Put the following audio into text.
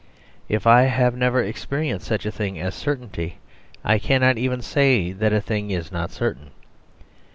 If I have never experienced such a thing as certainty I cannot even say that a thing is not certain.